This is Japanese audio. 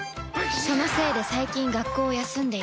そのせいで最近学校を休んでいる